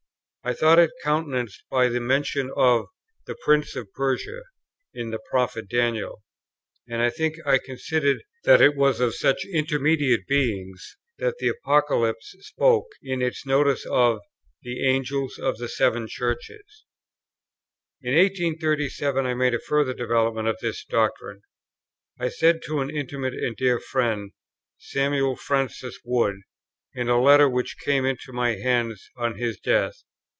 I thought it countenanced by the mention of "the Prince of Persia" in the Prophet Daniel; and I think I considered that it was of such intermediate beings that the Apocalypse spoke, in its notice of "the Angels of the Seven Churches." In 1837 I made a further development of this doctrine. I said to an intimate and dear friend, Samuel Francis Wood, in a letter which came into my hands on his death.